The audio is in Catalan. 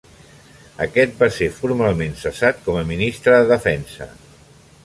Aquest va ser formalment cessat com a ministre de defensa.